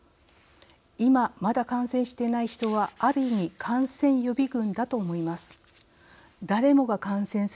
今、まだ感染していない人はある意味感染予備群だと思います。